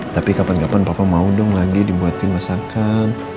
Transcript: tapi kapan kapan papa mau dong lagi dibuatin masakan